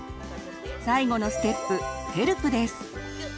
最後のステップ「ＨＥＬＰ」です。